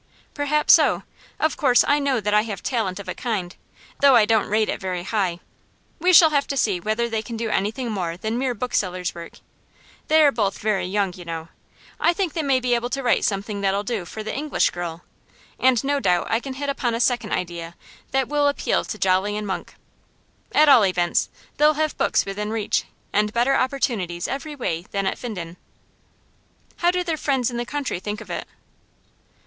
'Perhaps so. Of course I know that I have talent of a kind, though I don't rate it very high. We shall have to see whether they can do anything more than mere booksellers' work; they are both very young, you know. I think they may be able to write something that'll do for The English Girl, and no doubt I can hit upon a second idea that will appeal to Jolly and Monk. At all events, they'll have books within reach, and better opportunities every way than at Finden.' 'How do their friends in the country think of it?